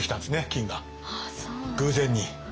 金が偶然に。